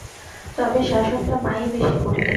তবে শাসনটা মা ই বেশি করতেন।